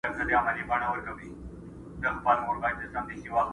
• ولولئ نر او ښځي ټول د کتابونو کیسې.